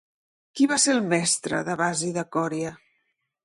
Qui va ser el mestre d'Evasi de Còria?